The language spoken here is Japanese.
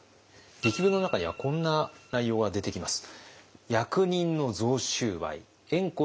檄文の中にはこんな内容が出てきます。